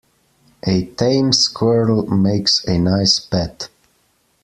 A tame squirrel makes a nice pet.